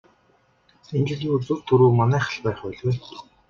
Энэ жилийн үзүүр түрүү манайх л байх байлгүй.